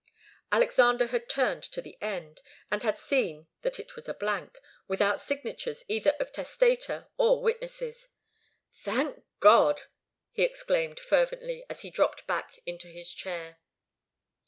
Alexander had turned to the end, and had seen that it was a blank, without signatures either of testator or witnesses. "Thank God!" he exclaimed, fervently, as he dropped back into his chair.